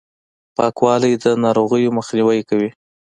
پاکوالي، د ناروغیو مخنیوی کوي.